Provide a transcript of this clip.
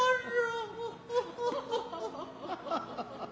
ハハハハ。